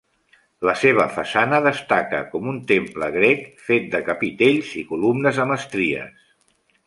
La seva façana destaca com un temple grec fet de capitells i columnes amb estries.